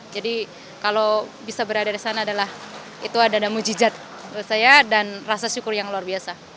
jadi kalau bisa berada disana adalah itu adalah mucijat buat saya dan rasa syukur yang luar biasa